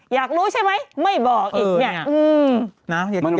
อยากรู้ใช่ไหมไม่บอกอีก